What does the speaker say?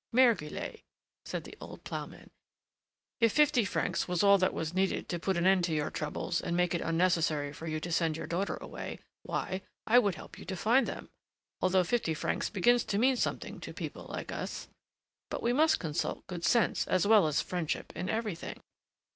"Mère Guillette," said the old ploughman, "if fifty francs was all that was needed to put an end to your troubles and make it unnecessary for you to send your daughter away, why, I would help you to find them, although fifty francs begins to mean something to people like us. But we must consult good sense as well as friendship in everything.